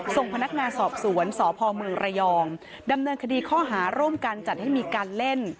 ส่งพนักงานสอบสวนสพเมืองระยองดำเนินคดีข้อหาร่วมกันจัดให้มีการเล่น